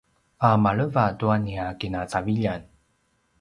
a maleva tua nia kinacaviljan